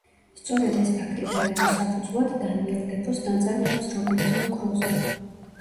სწორედ ეს ფაქტი დაედო საფუძვლად დანიელ დეფოს ნაწარმოებს „რობინზონ კრუზო“.